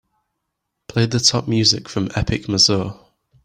Play the top music from Epic Mazur.